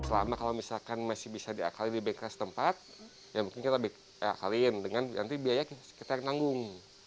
selama kalau misalkan masih bisa diakalin di bk setempat ya mungkin kita akalin dengan nanti biaya sekitar yang nanggung